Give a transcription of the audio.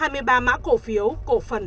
hai mươi ba mã cổ phiếu cổ phần